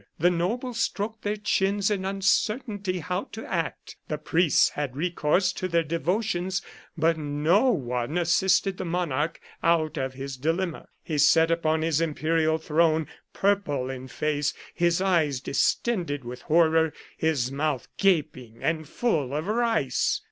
The nobles stroked their chins in uncertainty how to act, the priests had recourse to their devotions, but no one assisted the monarch out of his dilemma. He sat upon his imperial throne purple in the face, his eyes distended with horror, his mouth gaping, and full of rice.